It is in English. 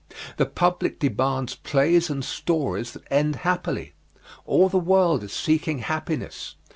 The public demands plays and stories that end happily. All the world is seeking happiness.